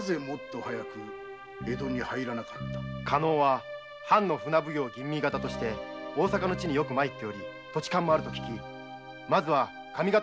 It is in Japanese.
加納は藩の船奉行吟味方として大阪の地によく参っており土地勘もあると聞きまずは上方方面をと。